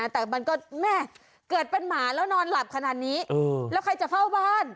แต่มันก็แม่เกิดเป็นหมาแล้วนอนหลับขนาดนี้แล้วใครจะเฝ้าบ้าน